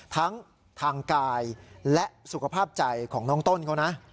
ทั้งทางกายและสุขภาพใจของน้องต้นเขานะ